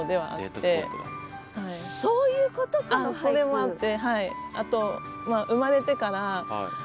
それもあって。